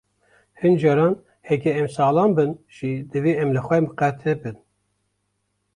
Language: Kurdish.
Hin caran heke em saxlem bin jî divê em li xwe miqate bin.